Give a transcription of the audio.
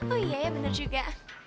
oh iya ya benar juga